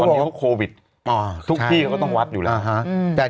วันนี้ก็โควิดทุกที่ก็ต้องวัดอยู่แล้ว